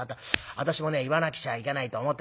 私もね言わなくちゃいけないと思ってたんだ。